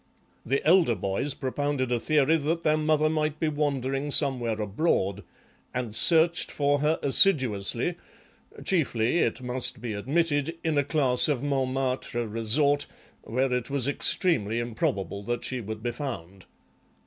The elder boys propounded a theory that their mother might be wandering somewhere abroad, and searched for her assiduously, chiefly, it must be admitted, in a class of Montmartre resort where it was extremely improbable that she would be found."